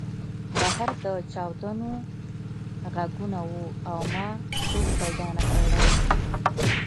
بهر د چاودنو غږونه وو او ما څوک پیدا نه کړل